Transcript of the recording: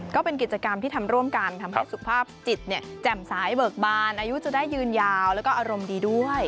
ก็เป็นกิจกรรมที่ทำร่วมกันทำให้สุขภาพจิตแจ่มสายเบิกบานอายุจะได้ยืนยาวแล้วก็อารมณ์ดีด้วย